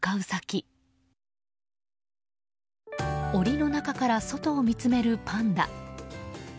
檻の中から外を見つめるパンダ。